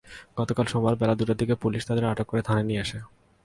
গতকাল সোমবার বেলা দুইটার দিকে পুলিশ তাঁদের আটক করে থানায় নিয়ে আসে।